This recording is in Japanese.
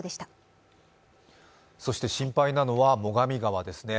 そして心配なのは最上川ですね。